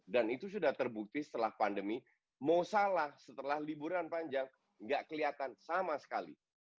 dan itu sudah terbukti setelah pandemi mau salah setelah liburan panjang tidak kelihatan sama sekali